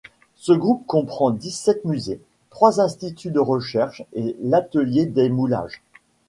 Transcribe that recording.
Ce groupe comprend dix-sept musées, trois instituts de recherche et l'Atelier des Moulages.